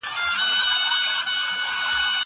زه پرون کتاب لولم وم!؟